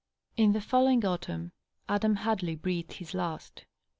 In the following autumn Adam Hadley breathed his last.